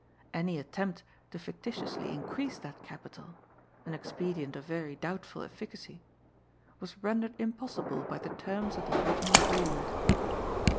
Any attempt to ficti tiously increase that capital — ^an expedient of very doubtful efficacy — was rendered impossible by the terms of the origi nal agreement.